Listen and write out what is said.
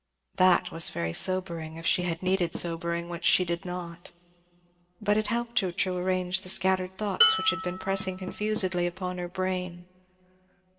That was very sobering; if she had needed sobering, which she did not. But it helped her to arrange the scattered thoughts which had been pressing confusedly upon her brain.